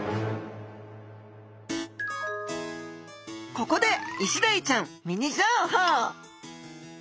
ここでイシダイちゃんミニ情報！